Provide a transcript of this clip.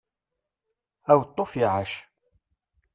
Aweṭṭuf iεac!